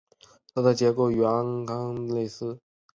它的结构与氯胺类似。